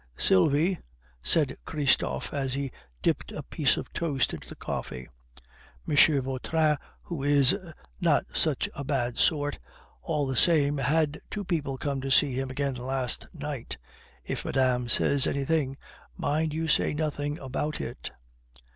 "Sylvie," said Christophe, as he dipped a piece of toast into the coffee, "M. Vautrin, who is not such a bad sort, all the same, had two people come to see him again last night. If madame says anything, mind you say nothing about it."